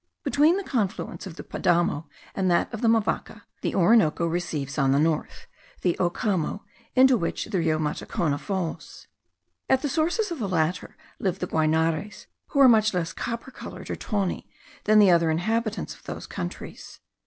Between the confluence of the Padamo and that of the Mavaca, the Orinoco receives on the north the Ocamo, into which the Rio Matacona falls. At the sources of the latter live the Guainares, who are much less copper coloured, or tawny, than the other inhabitants of those countries.